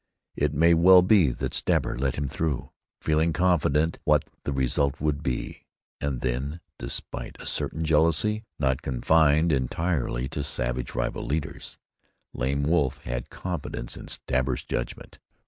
It may well be that Stabber let him through, feeling confident what the result would be, and then, despite a certain jealousy, not confined entirely to savage rival leaders, Lame Wolf had confidence in Stabber's judgment.